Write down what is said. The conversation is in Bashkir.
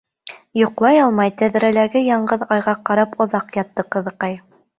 Йоҡлай алмай тәҙрәләге яңғыҙ айға ҡарап оҙаҡ ятты ҡыҙыҡай.